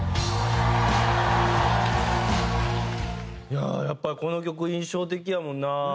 いやあやっぱりこの曲印象的やもんな。